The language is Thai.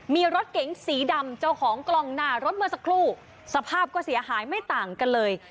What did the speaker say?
มีรถเก๋งสีดำเจ้าของกล้องหน้ารถเมื่อสักครู่สภาพก็เสียหายไม่ต่างกันเลย